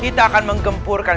kita akan menggempurkan sukamana